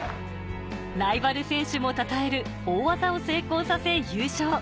ライバル選手もたたえる大技を成功させ優勝